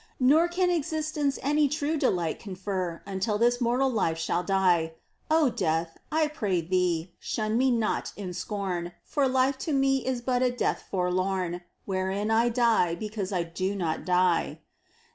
Nor can existence any true delight Confer until this mortal life shall die. O Death, I pray thee, shun me not in scorn. For life to me is but a death forlorn Wherein I die because I do not die